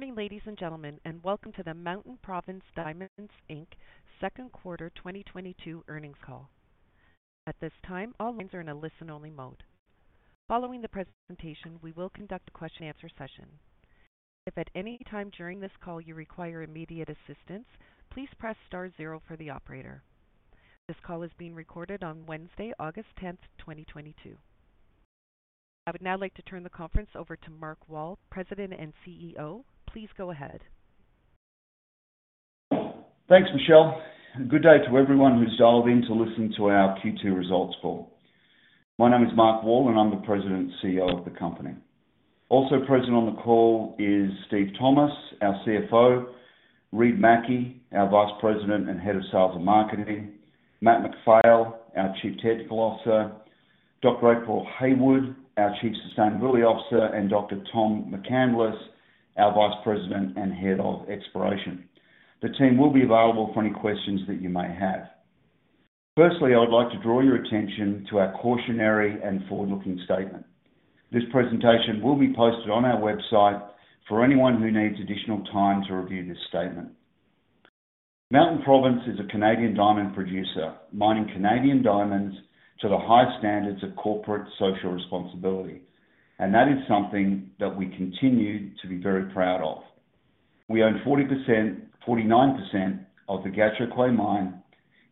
Morning, ladies and gentlemen, and welcome to the Mountain Province Diamonds Inc. second quarter 2022 earnings call. At this time, all lines are in a listen only mode. Following the presentation, we will conduct a question answer session. If at any time during this call you require immediate assistance, please press star zero for the operator. This call is being recorded on Wednesday, August 10, 2022. I would now like to turn the conference over to Mark Wall, President and CEO. Please go ahead. Thanks, Michelle, and good day to everyone who's dialed in to listen to our Q2 results call. My name is Mark Wall, and I'm the President and CEO of the company. Also present on the call is Steve Thomas, our CFO, Reid Mackie, our Vice President and Head of Sales and Marketing, Matt MacPhail, our Chief Technical Officer, Dr. April Hayward, our Chief Sustainability Officer, and Dr. Tom McCandless, our Vice President and Head of Exploration. The team will be available for any questions that you may have. Firstly, I would like to draw your attention to our cautionary and forward-looking statement. This presentation will be posted on our website for anyone who needs additional time to review this statement. Mountain Province is a Canadian diamond producer, mining Canadian diamonds to the high standards of corporate social responsibility, and that is something that we continue to be very proud of. We own 49% of the Gahcho Kué mine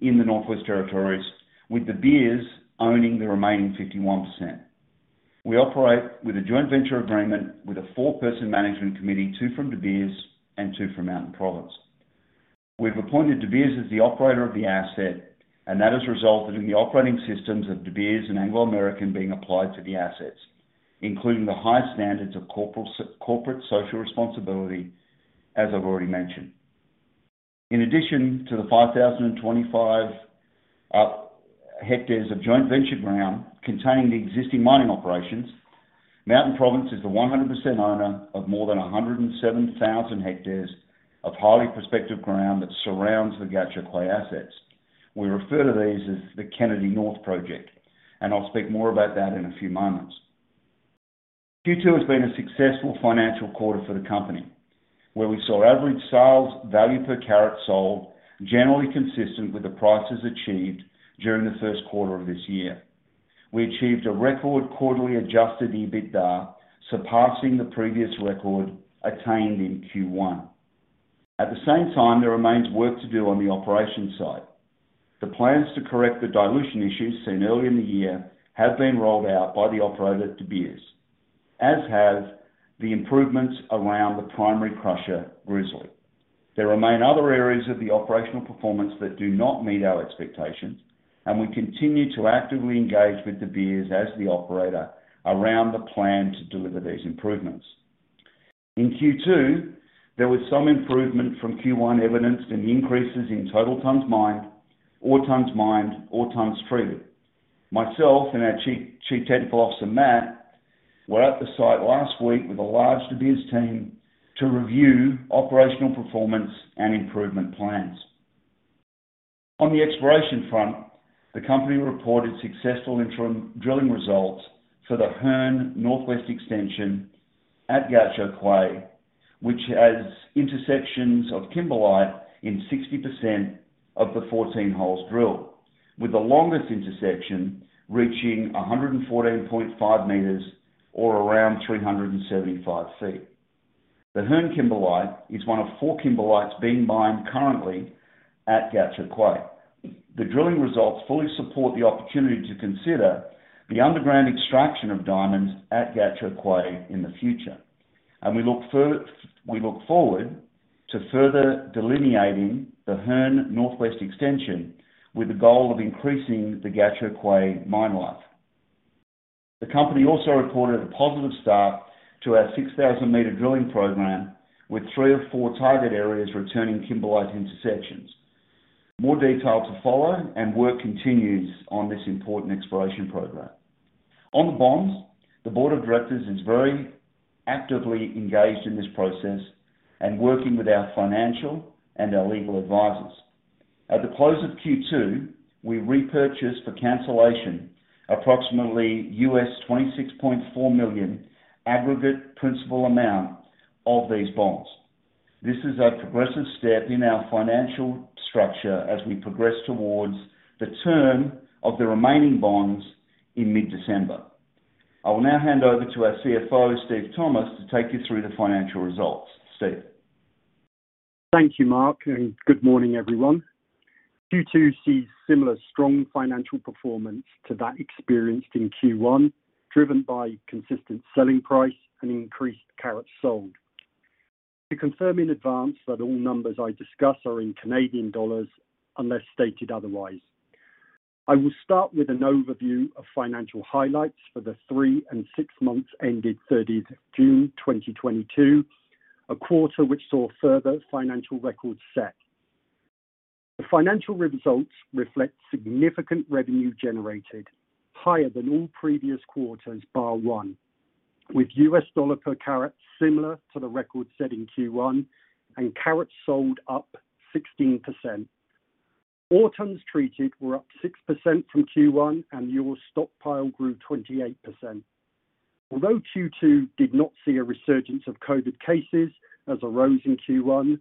in the Northwest Territories, with De Beers owning the remaining 51%. We operate with a joint venture agreement with a 4-person management committee, two from De Beers and two from Mountain Province. We've appointed De Beers as the operator of the asset, and that has resulted in the operating systems of De Beers and Anglo American being applied to the assets, including the high standards of corporate social responsibility, as I've already mentioned. In addition to the 5,025 hectares of joint venture ground containing the existing mining operations, Mountain Province is the 100% owner of more than 107,000 hectares of highly prospective ground that surrounds the Gahcho Kué assets. We refer to these as the Kennedy North Project, and I'll speak more about that in a few moments. Q2 has been a successful financial quarter for the company, where we saw average sales value per carat sold generally consistent with the prices achieved during the first quarter of this year. We achieved a record quarterly adjusted EBITDA, surpassing the previous record attained in Q1. At the same time, there remains work to do on the operations side. The plans to correct the dilution issues seen early in the year have been rolled out by the operator, De Beers, as have the improvements around the primary crusher, Grizzly. There remain other areas of the operational performance that do not meet our expectations, and we continue to actively engage with De Beers as the operator around the plan to deliver these improvements. In Q2, there was some improvement from Q1 evidenced in the increases in total tonnes mined, ore tonnes mined, ore tonnes treated. Myself and our Chief Technical Officer, Matt MacPhail, were at the site last week with a large De Beers team to review operational performance and improvement plans. On the exploration front, the company reported successful interim drilling results for the Hearne Northwest Extension at Gahcho Kué, which has intersections of kimberlite in 60% of the 14 holes drilled, with the longest intersection reaching 114.5 meters or around 375 feet. The Hearne kimberlite is one of four kimberlites being mined currently at Gahcho Kué. The drilling results fully support the opportunity to consider the underground extraction of diamonds at Gahcho Kué in the future, and we look forward to further delineating the Hearne Northwest Extension with the goal of increasing the Gahcho Kué mine life. The company also reported a positive start to our 6,000-meter drilling program, with three of four target areas returning kimberlite intersections. More detail to follow, and work continues on this important exploration program. On bonds, the board of directors is very actively engaged in this process and working with our financial and our legal advisors. At the close of Q2, we repurchased for cancellation approximately $26.4 million aggregate principal amount of these bonds. This is a progressive step in our financial structure as we progress towards the term of the remaining bonds in mid-December. I will now hand over to our CFO, Steve Thomas, to take you through the financial results. Steve. Thank you, Mark, and good morning, everyone. Q2 sees similar strong financial performance to that experienced in Q1, driven by consistent selling price and increased carats sold. To confirm in advance that all numbers I discuss are in Canadian dollars unless stated otherwise. I will start with an overview of financial highlights for the 3 and 6 months ended 30 June 2022, a quarter which saw further financial records set. The financial results reflect significant revenue generated higher than all previous quarters, bar one, with U.S. dollar per carat similar to the record set in Q1, and carats sold up 16%. Ore tonnes treated were up 6% from Q1 and the ore stockpile grew 28%. Although Q2 did not see a resurgence of COVID cases as arose in Q1,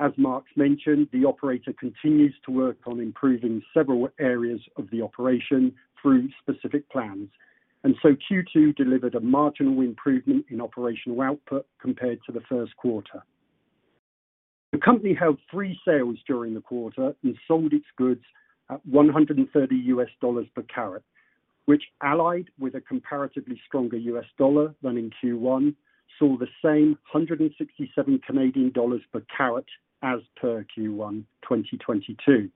as Mark mentioned, the operator continues to work on improving several areas of the operation through specific plans. Q2 delivered a marginal improvement in operational output compared to the first quarter. The company held three sales during the quarter and sold its goods at $130 per carat, which allied with a comparatively stronger U.S. dollar than in Q1, saw the same 167 Canadian dollars per carat as per Q1 2022.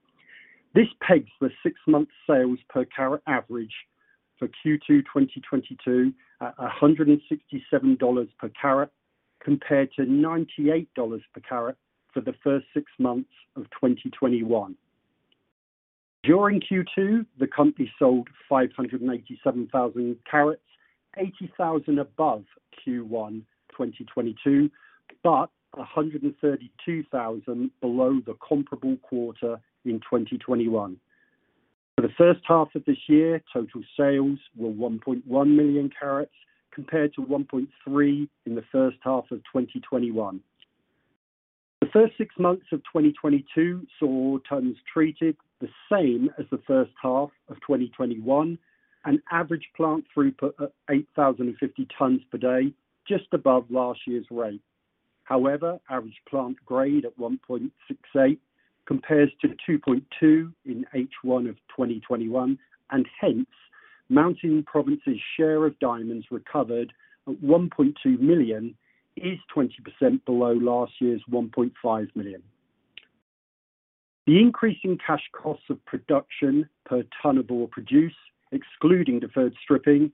This pegs the six-month sales per carat average for Q2 2022 at 167 dollars per carat compared to 98 dollars per carat for the first six months of 2021. During Q2, the company sold 587,000 carats, 80,000 above Q1 2022, but 132,000 below the comparable quarter in 2021. For the first half of this year, total sales were 1.1 million carats, compared to 1.3 in the first half of 2021. The first six months of 2022 saw tonnes treated the same as the first half of 2021, an average plant throughput at 8,050 tonnes per day, just above last year's rate. However, average plant grade at 1.68 compares to 2.2 in H1 of 2021, and hence Mountain Province Diamonds' share of diamonds recovered at 1.2 million is 20% below last year's 1.5 million. The increase in cash costs of production per tonne of ore produced, excluding deferred stripping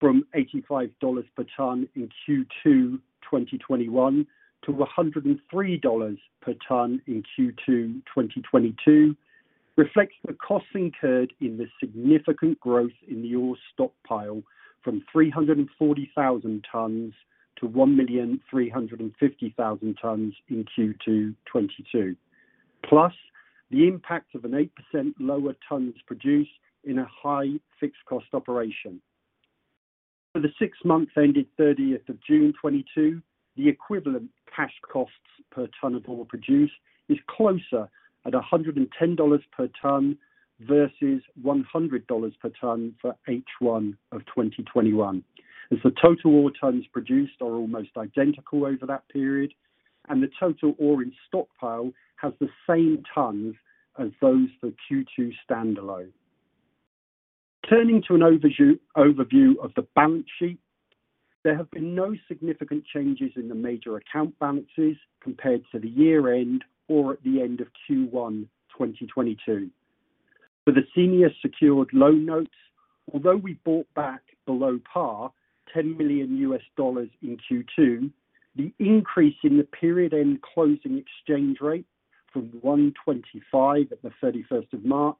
from 85 dollars per tonne in Q2 2021 to 103 dollars per tonne in Q2 2022, reflects the costs incurred in the significant growth in the ore stockpile from 340,000 tonnes to 1,350,000 tonnes in Q2 2022. The impact of an 8% lower tonnes produced in a high fixed cost operation. For the six months ended thirtieth of June 2022, the equivalent cash costs per tonne of ore produced is closer at $110 per tonne versus $100 per tonne for H1 of 2021, as the total ore tonnes produced are almost identical over that period, and the total ore in stockpile has the same tonnes as those for Q2 standalone. Turning to an overview of the balance sheet, there have been no significant changes in the major account balances compared to the year-end or at the end of Q1 2022. For the senior secured second lien notes, although we bought back below par $10 million in Q2, the increase in the period end closing exchange rate from 1.25 at March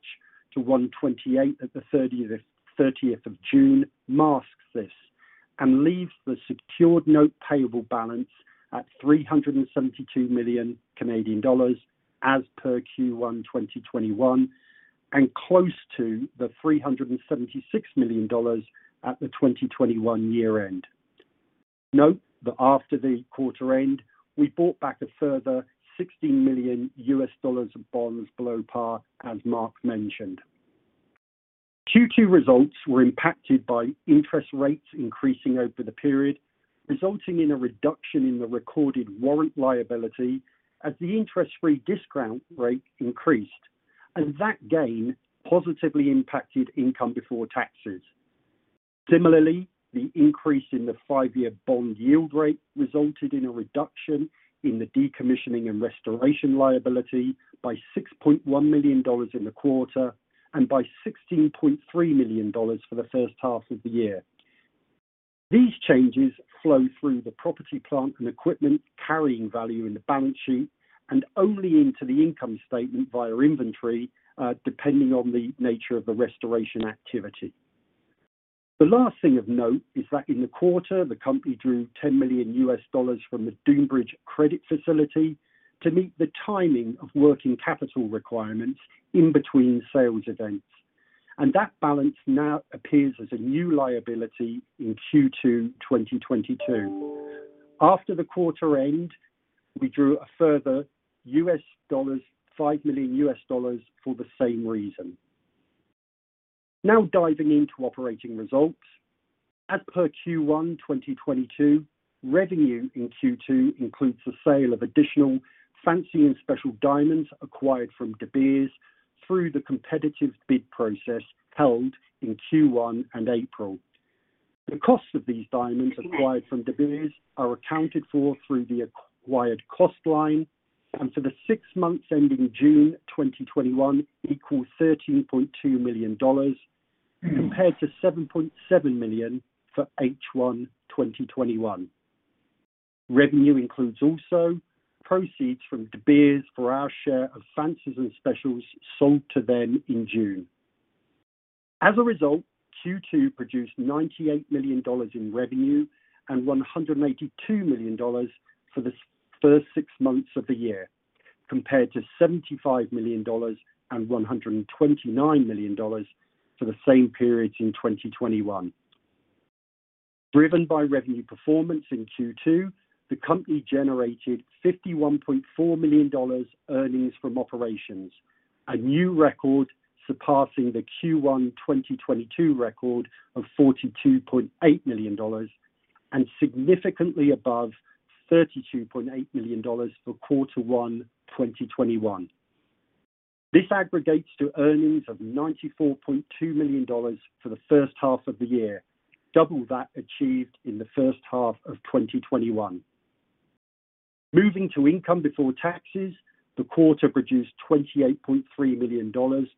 31 to 1.28 at June 30 masks this and leaves the secured note payable balance at 372 million Canadian dollars as per Q1 2021 and close to the 376 million dollars at the 2021 year end. Note that after the quarter end, we bought back a further $60 million of bonds below par, as Mark mentioned. Q2 results were impacted by interest rates increasing over the period, resulting in a reduction in the recorded warrant liability as the risk-free discount rate increased, and that gain positively impacted income before taxes. Similarly, the increase in the five-year bond yield rate resulted in a reduction in the decommissioning and restoration liability by 6.1 million dollars in the quarter and by 16.3 million dollars for the first half of the year. These changes flow through the property, plant, and equipment carrying value in the balance sheet and only into the income statement via inventory, depending on the nature of the restoration activity. The last thing of note is that in the quarter, the company drew $10 million from the Dunebridge credit facility to meet the timing of working capital requirements in between sales events, and that balance now appears as a new liability in Q2 2022. After the quarter end, we drew a further $5 million for the same reason. Now diving into operating results. As per Q1 2022, revenue in Q2 includes the sale of additional fancies and specials acquired from De Beers through the competitive bid process held in Q1 and April. The cost of these diamonds acquired from De Beers are accounted for through the acquired cost line, and for the six months ending June 2021 equals 13.2 million dollars compared to 7.7 million for H1 2021. Revenue includes also proceeds from De Beers for our share of fancies and specials sold to them in June. As a result, Q2 produced 98 million dollars in revenue and 182 million dollars for the first six months of the year, compared to 75 million dollars and 129 million dollars for the same periods in 2021. Driven by revenue performance in Q2, the company generated 51.4 million dollars earnings from operations, a new record surpassing the Q1 2022 record of CAD 42.8 million, and significantly above CAD 32.8 million for quarter one, 2021. This aggregates to earnings of 94.2 million dollars for the first half of the year, double that achieved in the first half of 2021. Moving to income before taxes, the quarter produced 28.3 million dollars,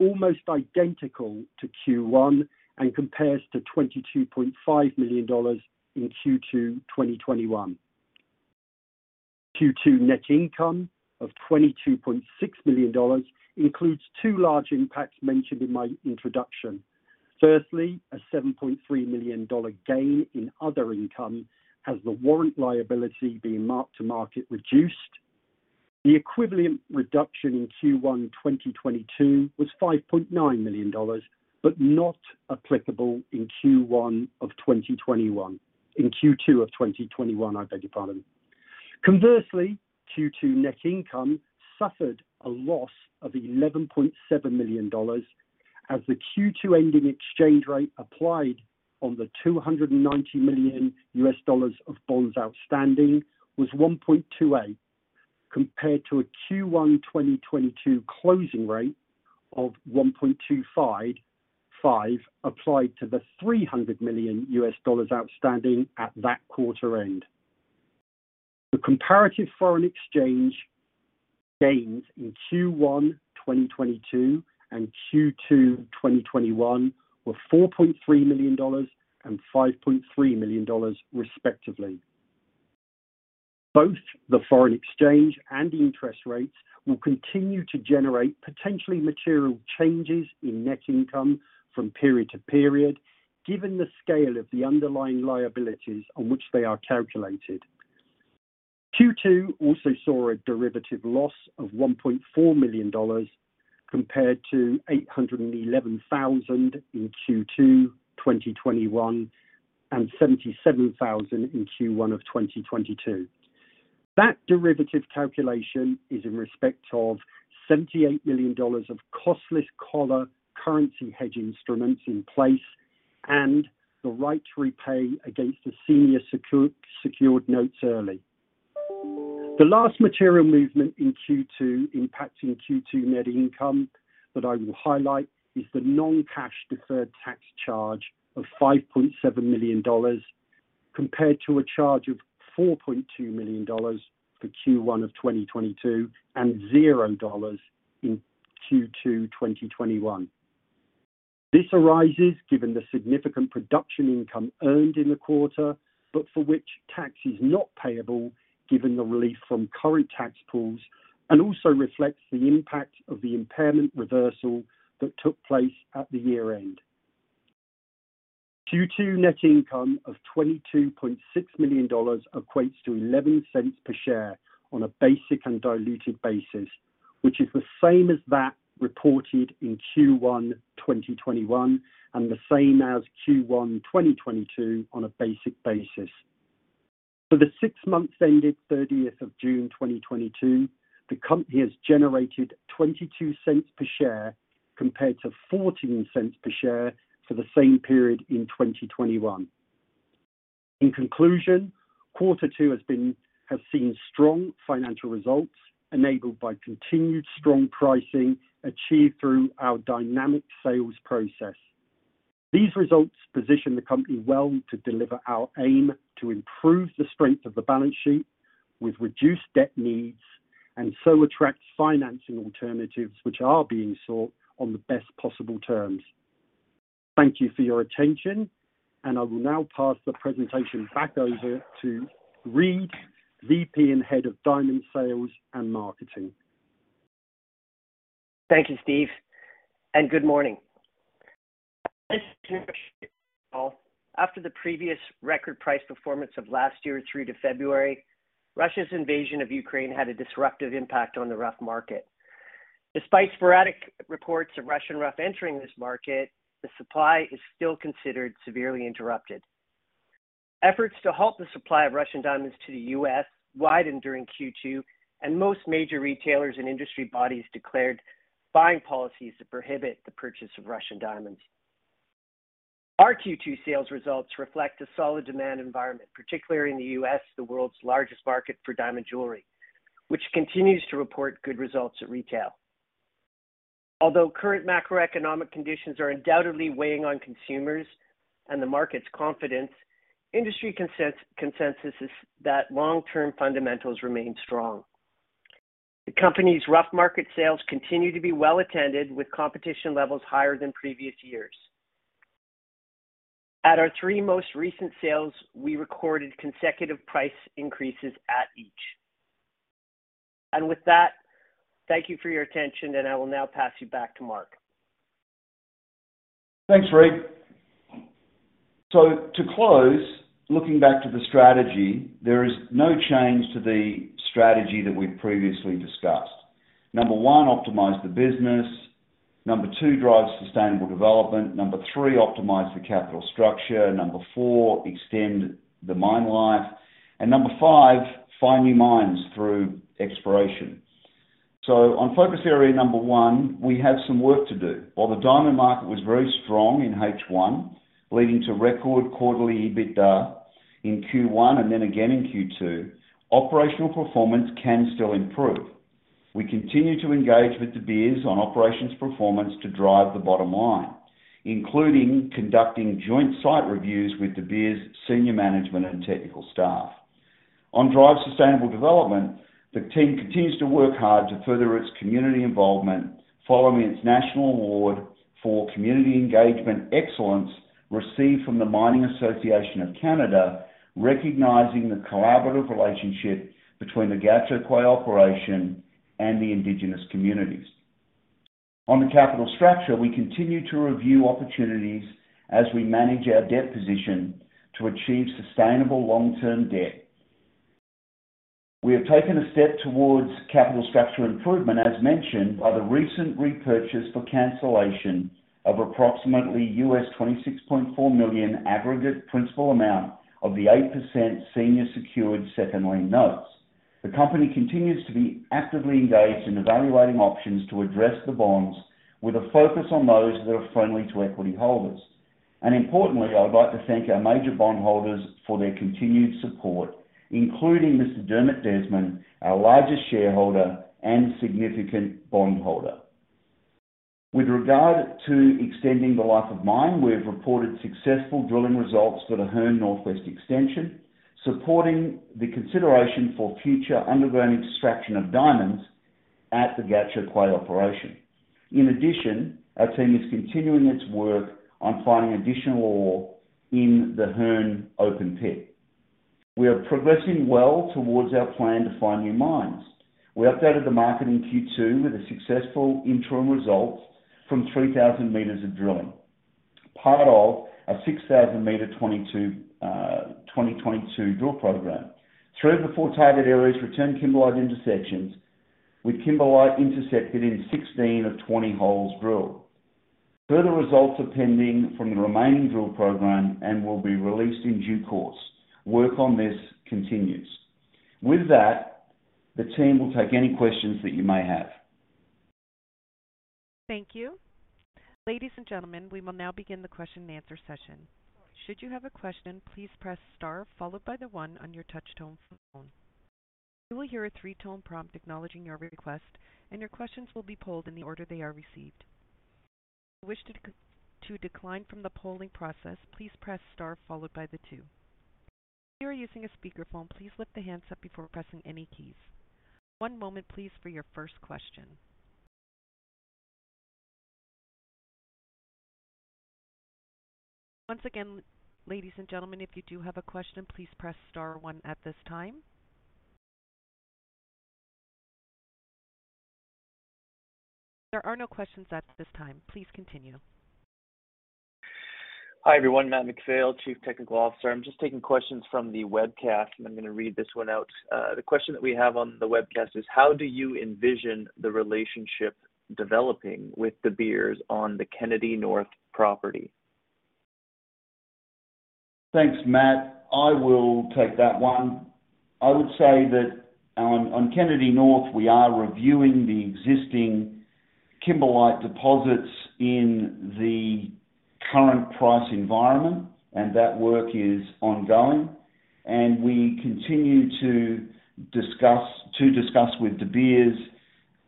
almost identical to Q1, and compares to 22.5 million dollars in Q2 2021. Q2 net income of 22.6 million dollars includes two large impacts mentioned in my introduction. Firstly, a 7.3 million dollar gain in other income as the warrant liability being mark-to-market reduced. The equivalent reduction in Q1 2022 was 5.9 million dollars, but not applicable in Q1 2021. Conversely, Q2 net income suffered a loss of 11.7 million dollars as the Q2 ending exchange rate applied on the $290 million of bonds outstanding was 1.28, compared to a Q1 2022 closing rate of 1.255 applied to the $300 million outstanding at that quarter end. The comparative foreign exchange gains in Q1 2022 and Q2 2021 were 4.3 million dollars and 5.3 million dollars, respectively. Both the foreign exchange and interest rates will continue to generate potentially material changes in net income from period to period, given the scale of the underlying liabilities on which they are calculated. Q2 also saw a derivative loss of 1.4 million dollars, compared to 811 thousand in Q2 2021, and 77 thousand in Q1 of 2022. That derivative calculation is in respect of 78 million dollars of costless collar currency hedge instruments in place and the right to repay against the senior secured notes early. The last material movement in Q2 impacting Q2 net income that I will highlight is the non-cash deferred tax charge of 5.7 million dollars, compared to a charge of 4.2 million dollars for Q1 of 2022 and 0 dollars in Q2 2021. This arises given the significant production income earned in the quarter, but for which tax is not payable given the relief from current tax pools, and also reflects the impact of the impairment reversal that took place at the year-end. Q2 net income of 22.6 million dollars equates to 0.11 per share on a basic and diluted basis, which is the same as that reported in Q1 2021 and the same as Q1 2022 on a basic basis. For the six months ended thirtieth of June 2022, the company has generated 0.22 per share compared to 0.14 per share for the same period in 2021. In conclusion, quarter two has seen strong financial results enabled by continued strong pricing achieved through our dynamic sales process. These results position the company well to deliver our aim to improve the strength of the balance sheet with reduced debt needs and so attract financing alternatives which are being sought on the best possible terms. Thank you for your attention, and I will now pass the presentation back over to Reid Mackie, VP and Head of Diamond Sales and Marketing. Thank you, Steve, and good morning. As after the previous record price performance of last year through to February, Russia's invasion of Ukraine had a disruptive impact on the rough market. Despite sporadic reports of Russian rough entering this market, the supply is still considered severely interrupted. Efforts to halt the supply of Russian diamonds to the U.S. widened during Q2, and most major retailers and industry bodies declared buying policies that prohibit the purchase of Russian diamonds. Our Q2 sales results reflect a solid demand environment, particularly in the U.S., the world's largest market for diamond jewelry, which continues to report good results at retail. Although current macroeconomic conditions are undoubtedly weighing on consumers and the market's confidence, industry consensus is that long-term fundamentals remain strong. The company's rough market sales continue to be well attended, with competition levels higher than previous years. At our three most recent sales, we recorded consecutive price increases at each. With that, thank you for your attention, and I will now pass you back to Mark. Thanks, Reid. To close, looking back to the strategy, there is no change to the strategy that we've previously discussed. Number one, optimize the business. Number two, drive sustainable development. Number three, optimize the capital structure. Number four, extend the mine life. Number five, find new mines through exploration. On focus area number one, we have some work to do. While the diamond market was very strong in H1, leading to record quarterly EBITDA in Q1 and then again in Q2, operational performance can still improve. We continue to engage with De Beers on operations performance to drive the bottom line, including conducting joint site reviews with De Beers senior management and technical staff. On driving sustainable development, the team continues to work hard to further its community involvement following its national award for community engagement excellence received from the Mining Association of Canada, recognizing the collaborative relationship between the Gahcho Kue operation and the Indigenous communities. On the capital structure, we continue to review opportunities as we manage our debt position to achieve sustainable long-term debt. We have taken a step towards capital structure improvement, as mentioned, by the recent repurchase for cancellation of approximately $26.4 million aggregate principal amount of the 8% senior secured second lien notes. The company continues to be actively engaged in evaluating options to address the bonds with a focus on those that are friendly to equity holders. Importantly, I would like to thank our major bond holders for their continued support, including Mr. Dermot Desmond, our largest shareholder and significant bond holder. With regard to extending the life of mine, we have reported successful drilling results for the Hearne Northwest Extension, supporting the consideration for future underground extraction of diamonds at the Gahcho Kué operation. In addition, our team is continuing its work on finding additional ore in the Hearne open pit. We are progressing well towards our plan to find new mines. We updated the market in Q2 with a successful interim result from 3,000 meters of drilling, part of a 6,000-meter 2022 drill program. Three of the four targeted areas returned kimberlite intersections with kimberlite intercepted in 16 of 20 holes drilled. Further results are pending from the remaining drill program and will be released in due course. Work on this continues. With that, the team will take any questions that you may have. Thank you. Ladies and gentlemen, we will now begin the question and answer session. Should you have a question, please press star followed by the one on your touch tone phone. You will hear a three-tone prompt acknowledging your request, and your questions will be polled in the order they are received. If you wish to decline from the polling process, please press star followed by the two. If you are using a speakerphone, please lift the handset up before pressing any keys. One moment please for your first question. Once again, ladies and gentlemen, if you do have a question, please press star one at this time. There are no questions at this time. Please continue. Hi, everyone. Matt MacPhail, Chief Technical Officer. I'm just taking questions from the webcast, and I'm gonna read this one out. The question that we have on the webcast is: how do you envision the relationship developing with De Beers on the Kennedy North property? Thanks, Matt. I will take that one. I would say that on Kennedy North, we are reviewing the existing kimberlite deposits in the current price environment, and that work is ongoing. We continue to discuss with De Beers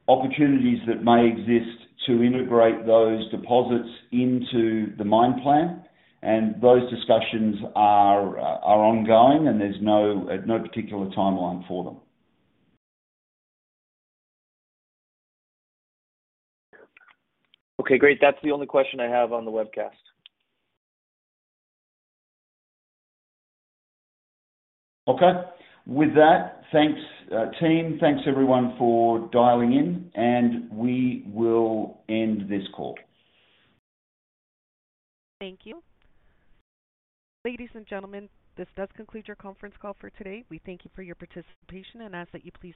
opportunities that may exist to integrate those deposits into the mine plan. Those discussions are ongoing, and there's no particular timeline for them. Okay, great. That's the only question I have on the webcast. Okay. With that, thanks, team. Thanks, everyone, for dialing in, and we will end this call. Thank you. Ladies and gentlemen, this does conclude your conference call for today. We thank you for your participation and ask that you please.